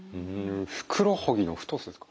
ふくらはぎの太さですか。